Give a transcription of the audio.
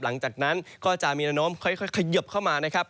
หลังจากนั้นก็จะมีแนวโน้มค่อยเขยิบเข้ามานะครับ